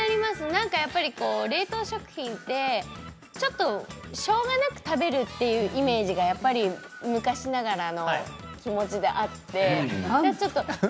何か冷凍食品ってちょっとしょうがなく食べるというイメージがやっぱり、昔ながらの気持ちであって。